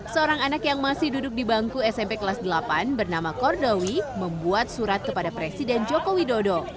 seorang anak yang masih duduk di bangku smp kelas delapan bernama kordowi membuat surat kepada presiden joko widodo